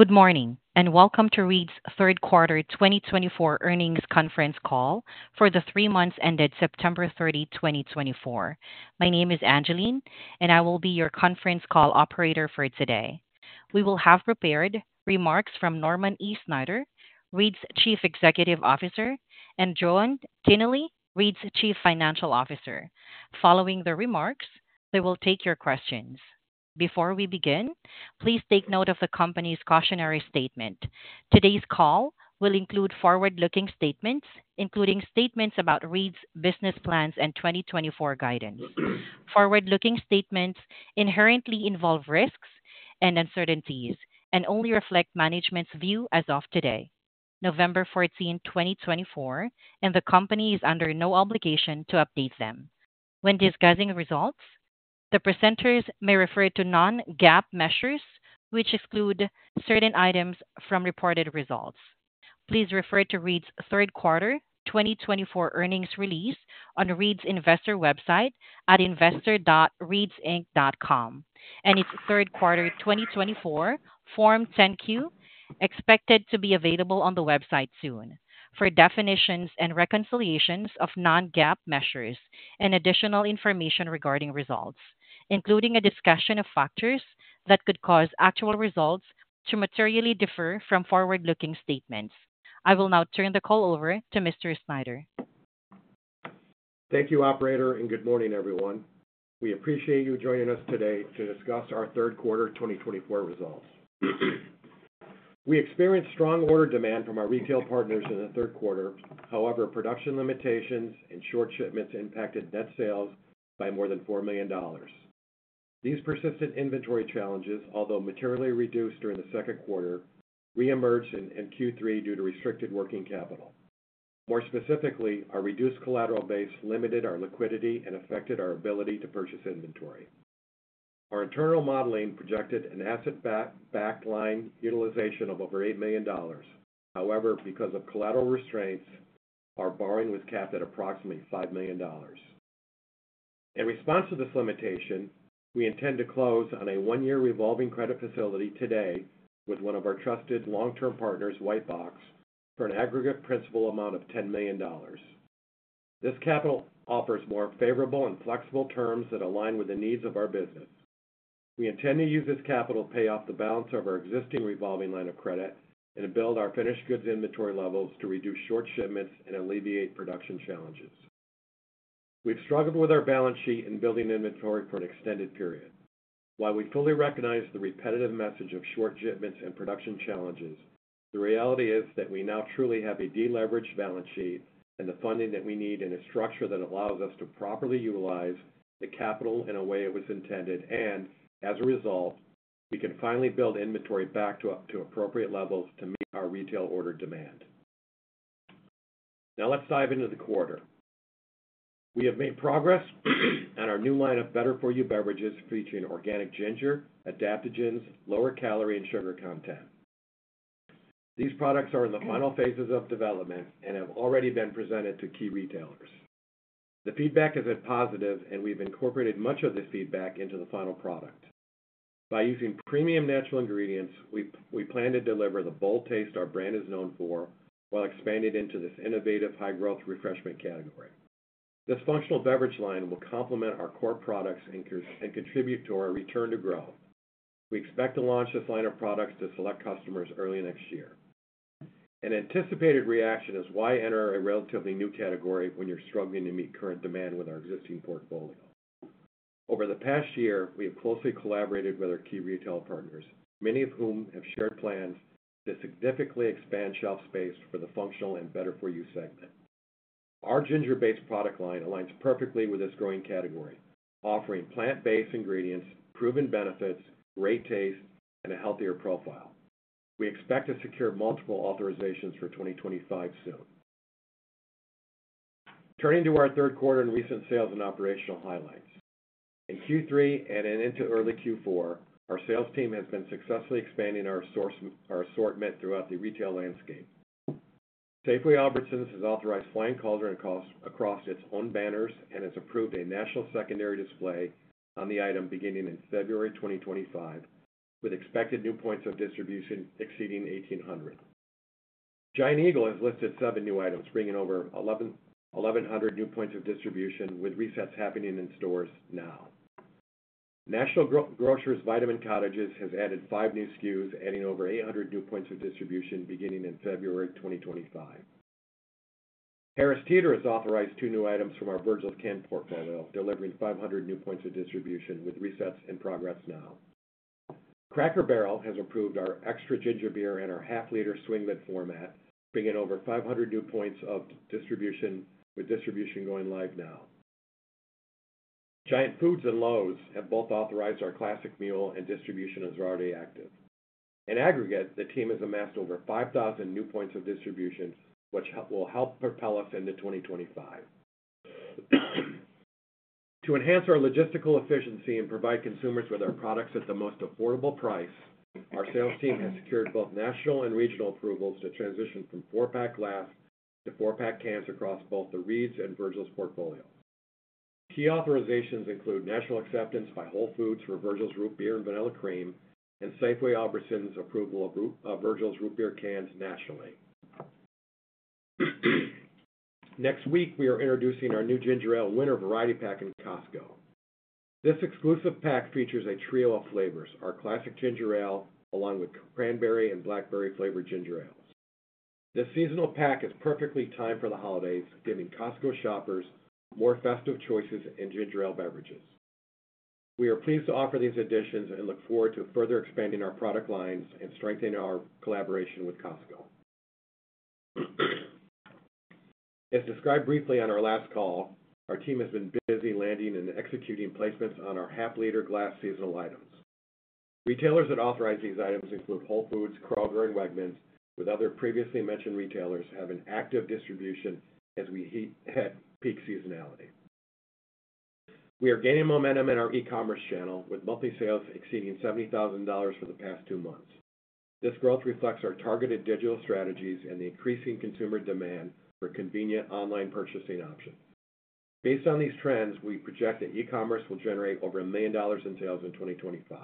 Good morning, and welcome to Reed's Q3 2024 Earnings Conference Call for the three months ended September 30, 2024. My name is Angeline, and I will be your conference call operator for today. We will have prepared remarks from Norman E. Snyder, Reed's Chief Executive Officer, and Joann Tinnelly, Reed's Chief Financial Officer. Following the remarks, they will take your questions. Before we begin, please take note of the company's cautionary statement. Today's call will include forward-looking statements, including statements about Reed's business plans and 2024 guidance. Forward-looking statements inherently involve risks and uncertainties and only reflect management's view as of today, November 14, 2024, and the company is under no obligation to update them. When discussing results, the presenters may refer to non-GAAP measures, which exclude certain items from reported results. Please refer to Reed's Q3 2024 earnings release on Reed's investor website at investor.reedsinc.com, and its Q3 2024 Form 10-Q, expected to be available on the website soon, for definitions and reconciliations of non-GAAP measures and additional information regarding results, including a discussion of factors that could cause actual results to materially differ from forward-looking statements. I will now turn the call over to Mr. Snyder. Thank you, Operator, and good morning, everyone. We appreciate you joining us today to discuss our Q3 2024 results. We experienced strong order demand from our retail partners in the third quarter. However, production limitations and short shipments impacted net sales by more than $4 million. These persistent inventory challenges, although materially reduced during the second quarter, reemerged in Q3 due to restricted working capital. More specifically, our reduced collateral base limited our liquidity and affected our ability to purchase inventory. Our internal modeling projected an asset-backed line utilization of over $8 million. However, because of collateral restraints, our borrowing was capped at approximately $5 million. In response to this limitation, we intend to close on a one-year revolving credit facility today with one of our trusted long-term partners, Whitebox, for an aggregate principal amount of $10 million. This capital offers more favorable and flexible terms that align with the needs of our business. We intend to use this capital to pay off the balance of our existing revolving line of credit and build our finished goods inventory levels to reduce short shipments and alleviate production challenges. We've struggled with our balance sheet and building inventory for an extended period. While we fully recognize the repetitive message of short shipments and production challenges, the reality is that we now truly have a deleveraged balance sheet and the funding that we need in a structure that allows us to properly utilize the capital in a way it was intended, and as a result, we can finally build inventory back to appropriate levels to meet our retail order demand. Now, let's dive into the quarter. We have made progress on our new line of Better For You beverages featuring organic ginger, adaptogens, lower calorie and sugar content. These products are in the final phases of development and have already been presented to key retailers. The feedback has been positive, and we've incorporated much of this feedback into the final product. By using premium natural ingredients, we plan to deliver the bold taste our brand is known for while expanding into this innovative high-growth refreshment category. This functional beverage line will complement our core products and contribute to our return to growth. We expect to launch this line of products to select customers early next year. An anticipated reaction is why enter a relatively new category when you're struggling to meet current demand with our existing portfolio. Over the past year, we have closely collaborated with our key retail partners, many of whom have shared plans to significantly expand shelf space for the functional and Better For You segment. Our ginger-based product line aligns perfectly with this growing category, offering plant-based ingredients, proven benefits, great taste, and a healthier profile. We expect to secure multiple authorizations for 2025 soon. Turning to our Q3 and recent sales and operational highlights. In Q3 and into early Q4, our sales team has been successfully expanding our assortment throughout the retail landscape. Safeway and Albertsons has authorized Flying Cauldron across its own banners and has approved a national secondary display on the item beginning in February 2025, with expected new points of distribution exceeding 1,800. Giant Eagle has listed seven new items, bringing over 1,100 new points of distribution, with resets happening in stores now. Grocers by Vitamin Cottage has added five new SKUs, adding over 800 new points of distribution beginning in February 2025. Harris Teeter has authorized two new items from our Virgil's portfolio, delivering 500 new points of distribution, with resets in progress now. Cracker Barrel has approved our extra ginger beer in our half-liter swing lid format, bringing over 500 new points of distribution, with distribution going live now. Giant Food and Lowes Foods have both authorized our classic mule and distribution is already active. In aggregate, the team has amassed over 5,000 new points of distribution, which will help propel us into 2025. To enhance our logistical efficiency and provide consumers with our products at the most affordable price, our sales team has secured both national and regional approvals to transition from four-pack glass to four-pack cans across both the Reed's and Virgil's portfolio. Key authorizations include national acceptance by Whole Foods for Virgil's Root Beer and Virgil's Vanilla Cream, and Safeway and Albertsons' approval of Virgil's Root Beer cans nationally. Next week, we are introducing our new ginger ale winter variety pack in Costco. This exclusive pack features a trio of flavors: our classic ginger ale, along with cranberry and blackberry-flavored ginger ales. This seasonal pack is perfectly timed for the holidays, giving Costco shoppers more festive choices in ginger ale beverages. We are pleased to offer these additions and look forward to further expanding our product lines and strengthening our collaboration with Costco. As described briefly on our last call, our team has been busy landing and executing placements on our half-liter glass seasonal items. Retailers that authorize these items include Whole Foods, Kroger, and Wegmans, with other previously mentioned retailers having active distribution as we hit peak seasonality. We are gaining momentum in our e-commerce channel, with monthly sales exceeding $70,000 for the past two months. This growth reflects our targeted digital strategies and the increasing consumer demand for convenient online purchasing options. Based on these trends, we project that e-commerce will generate over $1 million in sales in 2025.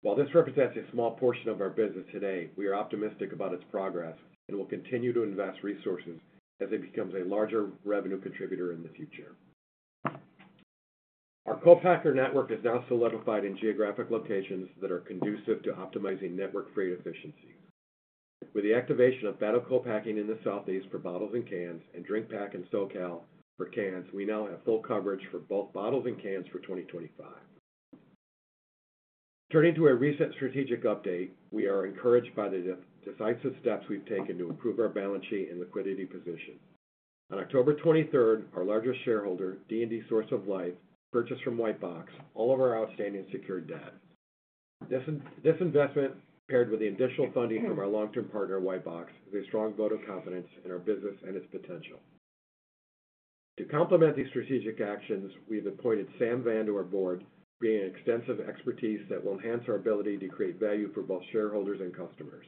While this represents a small portion of our business today, we are optimistic about its progress and will continue to invest resources as it becomes a larger revenue contributor in the future. Our co-packer network is now solidified in geographic locations that are conducive to optimizing network freight efficiencies. With the activation of bottle co-packing in the Southeast for bottles and cans, and DrinkPAK and So. Cal. for cans, we now have full coverage for both bottles and cans for 2025. Turning to a recent strategic update, we are encouraged by the decisive steps we've taken to improve our balance sheet and liquidity position. On October 23, our largest shareholder, D&D Source of Life, purchased from Whitebox all of our outstanding secured debt. This investment, paired with the additional funding from our long-term partner, Whitebox, is a strong vote of confidence in our business and its potential. To complement these strategic actions, we've appointed Sam Van to our board, bringing extensive expertise that will enhance our ability to create value for both shareholders and customers.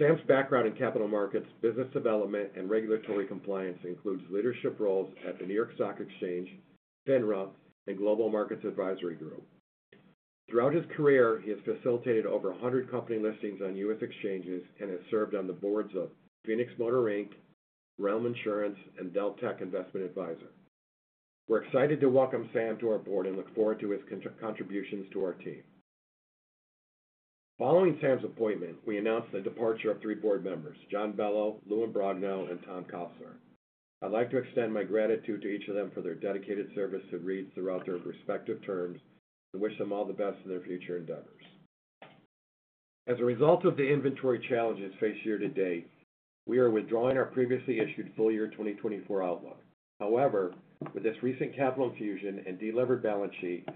Sam's background in capital markets, business development, and regulatory compliance includes leadership roles at the New York Stock Exchange, FINRA, and Global Markets Advisory Group. Throughout his career, he has facilitated over 100 company listings on U.S. exchanges and has served on the boards of Phoenix Motor Inc., Realm Insurance, and Deltec Investment Advisers. We're excited to welcome Sam to our board and look forward to his contributions to our team. Following Sam's appointment, we announced the departure of three board members: John Bello, Louis Imbrogno, and Tom Kassberg. I'd like to extend my gratitude to each of them for their dedicated service to Reed's throughout their respective terms and wish them all the best in their future endeavors. As a result of the inventory challenges faced year to date, we are withdrawing our previously issued full year 2024 outlook. However, with this recent capital infusion and deleveraged balance sheet,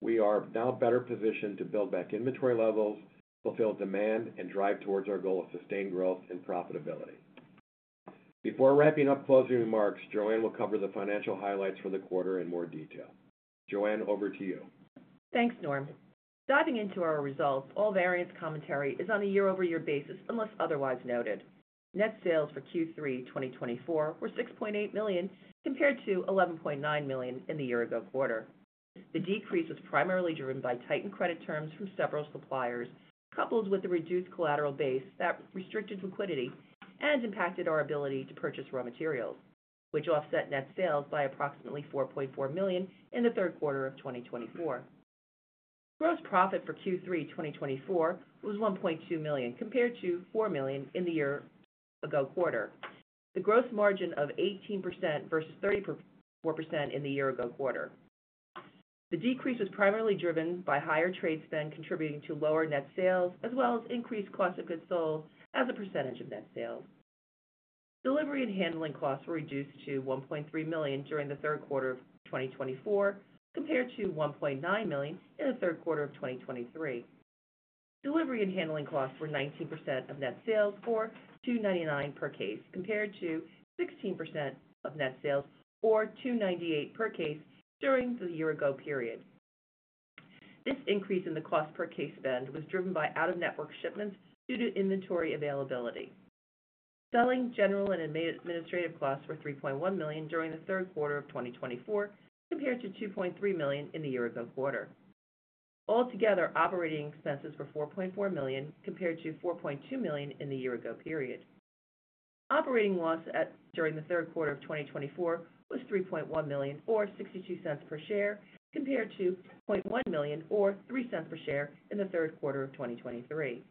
we are now better positioned to build back inventory levels, fulfill demand, and drive towards our goal of sustained growth and profitability. Before wrapping up closing remarks, Joann will cover the financial highlights for the quarter in more detail. Joann, over to you. Thanks, Norm. Diving into our results, all variance commentary is on a year-over-year basis unless otherwise noted. Net sales for Q3 2024 were $6.8 million compared to $11.9 million in the year-ago quarter. The decrease was primarily driven by tightened credit terms from several suppliers, coupled with the reduced collateral base that restricted liquidity and impacted our ability to purchase raw materials, which offset net sales by approximately $4.4 million in the Q3 of 2024. Gross profit for Q3 2024 was $1.2 million compared to $4 million in the year-ago quarter. The gross margin of 18% versus 34% in the year-ago quarter. The decrease was primarily driven by higher trade spend contributing to lower net sales, as well as increased cost of goods sold as a percentage of net sales. Delivery and handling costs were reduced to $1.3 million during the Q3 of 2024 compared to $1.9 million in the Q3 of 2023. Delivery and handling costs were 19% of net sales, or $2.99 per case, compared to 16% of net sales, or $2.98 per case during the year-ago period. This increase in the cost per case spend was driven by out-of-network shipments due to inventory availability. Selling, general, and administrative costs were $3.1 million during the Q3 of 2024 compared to $2.3 million in the year-ago quarter. Altogether, operating expenses were $4.4 million compared to $4.2 million in the year-ago period. Operating loss during the Q3 of 2024 was $3.1 million, or $0.62 per share, compared to $0.1 million, or $0.03 per share, in the Q3 of 2023.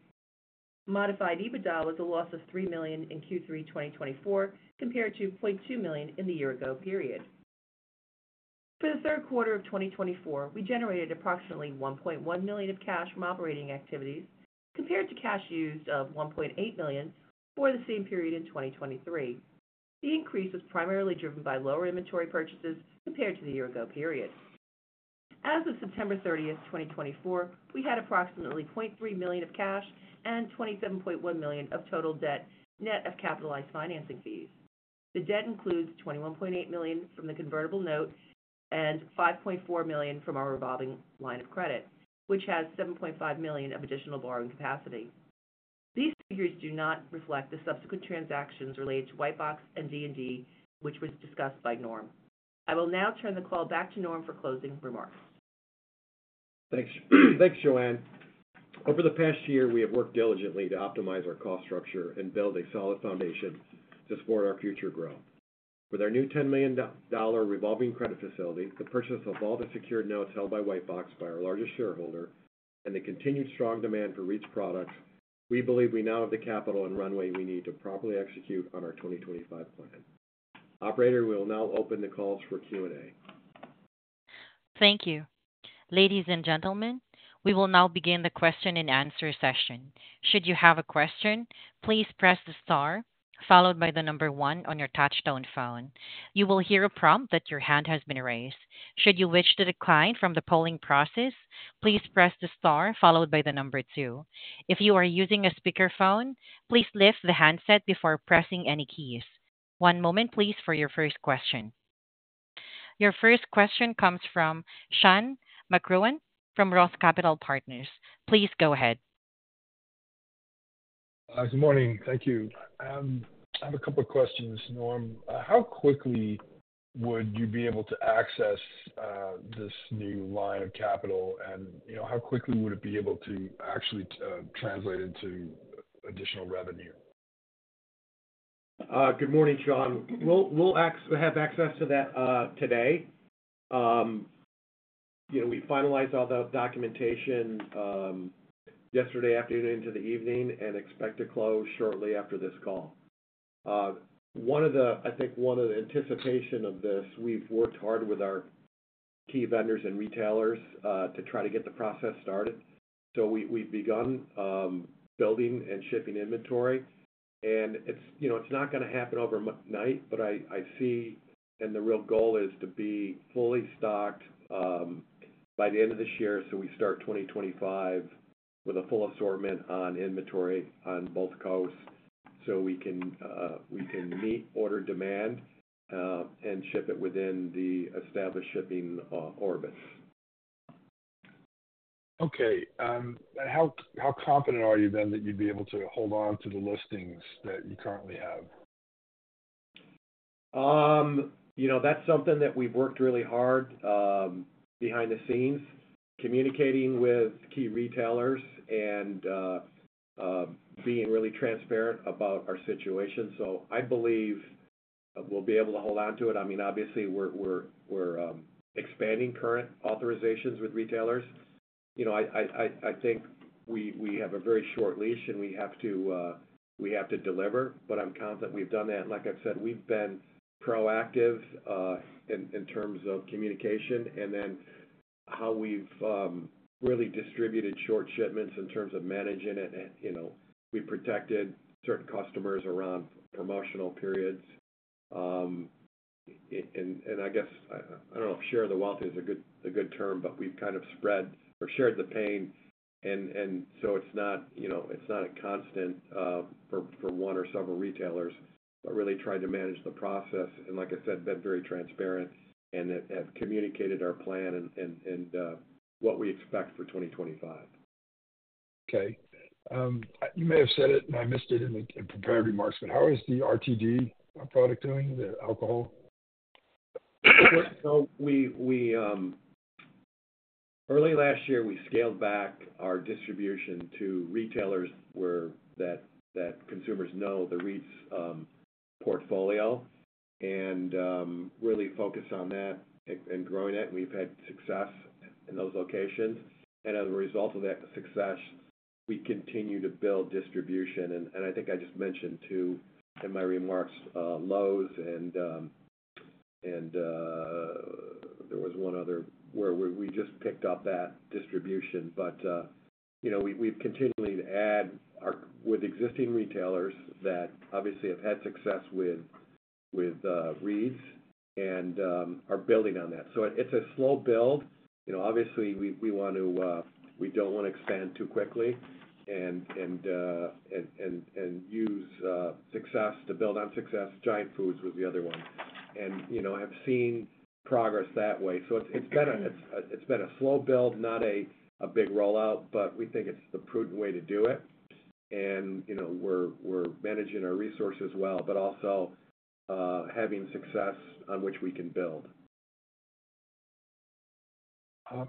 Modified EBITDA was a loss of $3 million in Q3 2024 compared to $0.2 million in the year-ago period. For the Q3 of 2024, we generated approximately $1.1 million of cash from operating activities compared to cash used of $1.8 million for the same period in 2023. The increase was primarily driven by lower inventory purchases compared to the year-ago period. As of September 30, 2024, we had approximately $0.3 million of cash and $27.1 million of total debt net of capitalized financing fees. The debt includes $21.8 million from the convertible note and $5.4 million from our revolving line of credit, which has $7.5 million of additional borrowing capacity. These figures do not reflect the subsequent transactions related to Whitebox and D&D, which was discussed by Norm. I will now turn the call back to Norm for closing remarks. Thanks, Joann. Over the past year, we have worked diligently to optimize our cost structure and build a solid foundation to support our future growth. With our new $10 million revolving credit facility, the purchase of all the secured notes held by Whitebox by our largest shareholder, and the continued strong demand for Reed's products, we believe we now have the capital and runway we need to properly execute on our 2025 plan. Operator, we will now open the call for Q&A. Thank you. Ladies and gentlemen, we will now begin the question-and-answer session. Should you have a question, please press the star, followed by the number one on your touch-tone phone. You will hear a prompt that your hand has been raised. Should you wish to decline from the polling process, please press the star, followed by the number two. If you are using a speakerphone, please lift the handset before pressing any keys. One moment, please, for your first question. Your first question comes from Sean McGowan from Roth Capital Partners. Please go ahead. Good morning. Thank you. I have a couple of questions, Norm. How quickly would you be able to access this new line of capital, and how quickly would it be able to actually translate into additional revenue? Good morning, Sean. We'll have access to that today. We finalized all the documentation yesterday afternoon into the evening and expect to close shortly after this call. I think one of the anticipations of this, we've worked hard with our key vendors and retailers to try to get the process started. So we've begun building and shipping inventory. And it's not going to happen overnight, but I see the real goal is to be fully stocked by the end of this year, so we start 2025 with a full assortment on inventory on both coasts so we can meet order demand and ship it within the established shipping orbits. Okay. How confident are you then that you'd be able to hold on to the listings that you currently have? That's something that we've worked really hard behind the scenes, communicating with key retailers and being really transparent about our situation, so I believe we'll be able to hold on to it. I mean, obviously, we're expanding current authorizations with retailers. I think we have a very short leash, and we have to deliver, but I'm confident we've done that, and like I've said, we've been proactive in terms of communication and then how we've really distributed short shipments in terms of managing it. We've protected certain customers around promotional periods, and I guess I don't know if share of the wealth is a good term, but we've kind of spread or shared the pain. And so it's not a constant for one or several retailers, but really tried to manage the process and, like I said, been very transparent and have communicated our plan and what we expect for 2025. Okay. You may have said it, and I missed it in the prepared remarks, but how is the RTD product doing, the alcohol? Early last year, we scaled back our distribution to retailers where the consumers know the Reed's portfolio and really focus on that and growing it. We've had success in those locations. And as a result of that success, we continue to build distribution. And I think I just mentioned too in my remarks, Lowes, and there was one other where we just picked up that distribution. But we've continually added with existing retailers that obviously have had success with Reed's and are building on that. So it's a slow build. Obviously, we don't want to expand too quickly and use success to build on success. Giant Food was the other one. And I've seen progress that way. So it's been a slow build, not a big rollout, but we think it's the prudent way to do it. We're managing our resources well, but also having success on which we can build.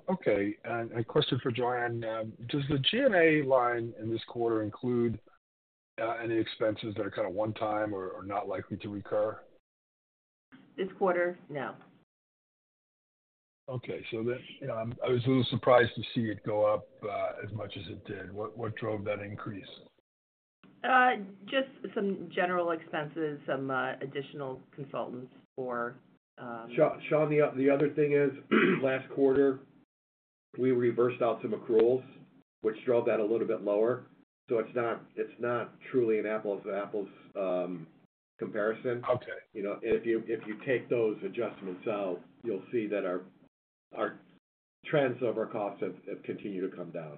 Okay, and a question for Joann. Does the G&A line in this quarter include any expenses that are kind of one-time or not likely to recur? This quarter, no. Okay. So I was a little surprised to see it go up as much as it did. What drove that increase? Just some general expenses, some additional consultants for. Sean, the other thing is last quarter, we reversed out some accruals, which drove that a little bit lower. So it's not truly an apples-to-apples comparison. And if you take those adjustments out, you'll see that our trends of our costs have continued to come down.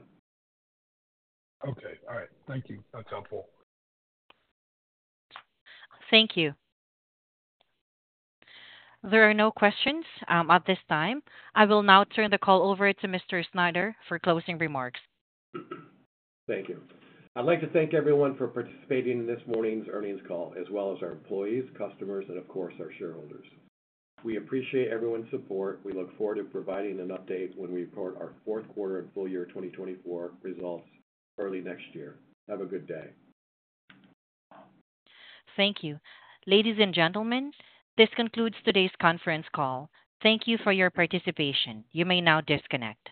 Okay. All right. Thank you. That's helpful. Thank you. There are no questions at this time. I will now turn the call over to Mr. Snyder for closing remarks. Thank you. I'd like to thank everyone for participating in this morning's earnings call, as well as our employees, customers, and of course, our shareholders. We appreciate everyone's support. We look forward to providing an update when we report our Q4 and full year 2024 results early next year. Have a good day. Thank you. Ladies and gentlemen, this concludes today's conference call. Thank you for your participation. You may now disconnect.